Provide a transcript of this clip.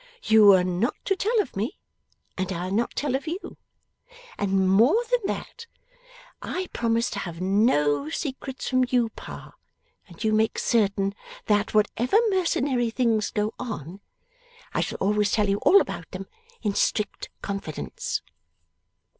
You are not to tell of me, and I'll not tell of you. And more than that; I promise to have no secrets from you, Pa, and you may make certain that, whatever mercenary things go on, I shall always tell you all about them in strict confidence.